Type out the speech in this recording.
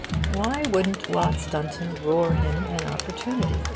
Why wouldn't Watts Dunton roar him an opportunity?